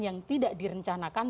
yang tidak direncanakan